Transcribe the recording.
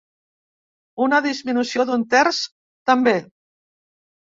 Una disminució d’un terç, també.